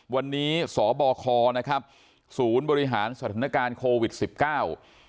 วันนี้สบคนะครับศูนย์บริหารสถานการณ์โควิดสิบเก้า